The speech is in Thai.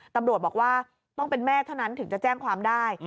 ตำรวจบอกว่าต้องเป็นแม่เท่านั้นถึงจะแจ้งความได้